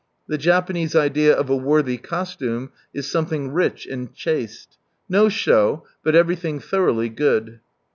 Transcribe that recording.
The Japanese idea of a worthy costume is something rich and chaste. No show, but everything thoroughly good.